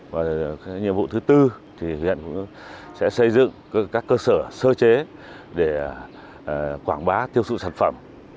và nhiệm vụ thứ tư thì huyện cũng sẽ xây dựng các cơ sở sơ chế để quảng bá tiêu thụ sản phẩm